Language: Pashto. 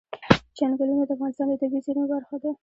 چنګلونه د افغانستان د طبیعي زیرمو برخه ده.